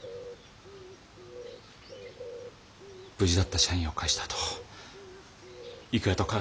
無事だった社員を帰したあと郁弥とかよ